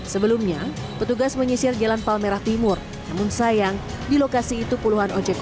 sebelumnya petugas menyisir jalan palmerah timur namun sayang di lokasi itu puluhan ojek